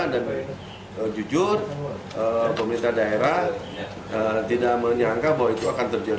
dan jujur pemerintah daerah tidak menyangka bahwa itu akan terjadi